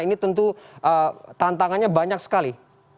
ini tentu tantangannya banyak sekali